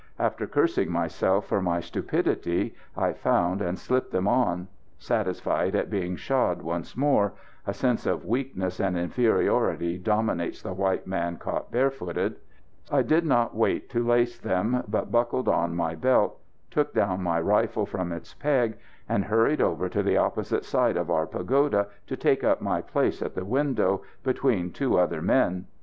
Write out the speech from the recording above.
After cursing myself for my stupidity, I found and slipped them on. Satisfied at being shod once more a sense of weakness and inferiority dominates the white man caught barefooted I did not wait to lace them, but buckled on my belt, took down my rifle from its peg, and hurried over to the opposite side of our pagoda to take up my place at the window, between two other men.